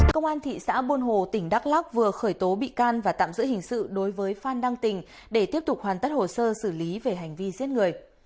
công an thị xã buôn hồ tỉnh đắk lắc vừa khởi tố bị can và tạm giữ hình sự đối với phan đăng tình để tiếp tục hoàn tất hồ sơ xử lý về hành vi giết người